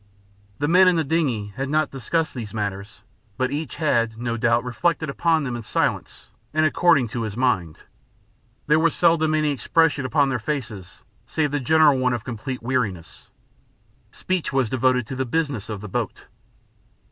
The men in the dingey had not discussed these matters, but each had, no doubt, reflected upon them in silence and according to his mind. There was seldom any expression upon their faces save the general one of complete weariness. Speech was devoted to the business of the boat.